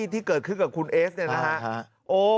ที่เกิดขึ้นกับคุณเอสเนี่ยนะฮะ